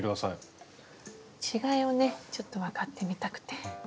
違いをねちょっと分かってみたくて。